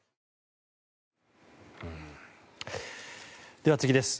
では次です。